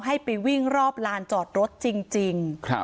ให้ไปวิ่งรอบลานจอดรถจริง